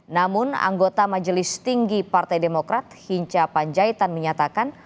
namun anggota majelis tinggi partai demokrat hinca panjaitan menyatakan